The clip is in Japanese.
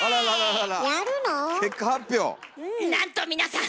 なんと皆さん